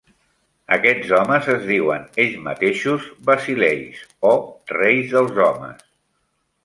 Aquests homes es diuen ells mateixos "basileis", o "reis dels homes".